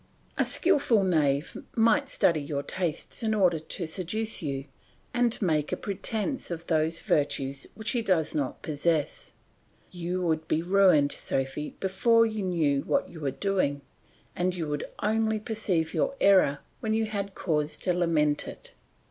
A skilful knave might study your tastes in order to seduce you, and make a pretence of those virtues which he does not possess. You would be ruined, Sophy, before you knew what you were doing, and you would only perceive your error when you had cause to lament it.